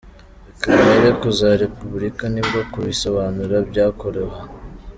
Reka mpere kuri za repubulika nibwo kubisobanura byakworoha.